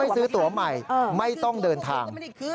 ซื้อตัวใหม่ไม่ต้องเดินทาง